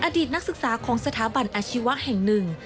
อดีตนักศึกษาของสถาบันอาชีวะแห่งหนึ่ง